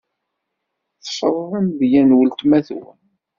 Ḍefṛet amedya n weltma-twen.